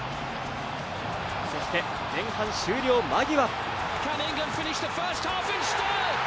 そして、前半終了間際。